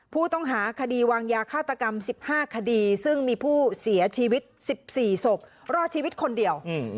ผู้ต้องหาคดีวางยาฆาตกรรม๑๕คดีซึ่งมีผู้เสียชีวิต๑๔ศพรอดชีวิตคนเดียว